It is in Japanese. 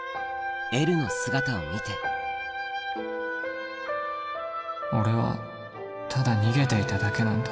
エルの姿を見て俺はただ逃げていただけなんだ